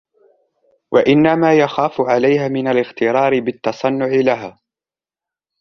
وَإِنَّمَا يُخَافُ عَلَيْهَا مِنْ الِاغْتِرَارِ بِالتَّصَنُّعِ لَهَا